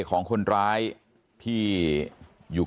กำลังรอบที่นี่นะครับตำรวจสภศรีสมเด็จ